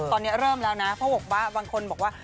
ตอนนี้เริ่มแล้วนะเพราะบอกว่าบางคนบอกว่า